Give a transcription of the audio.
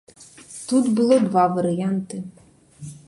Тут было два варыянты.